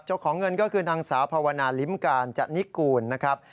เจ้าของเงินก็คือนางสาวภาวนาลิ้มการจนิกูลนะครับ